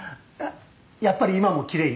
やっぱり今もきれい？